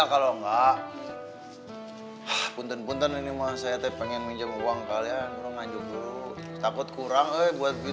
selama hidup aku aku baru ketemu kamu cowok yang paling nyebelin